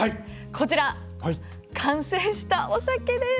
こちら完成したお酒です！